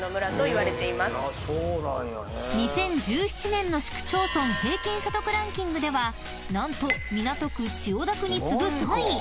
［２０１７年の市区町村平均所得ランキングでは何と港区千代田区に次ぐ３位］